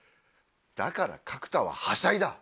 だから角田ははしゃいだ。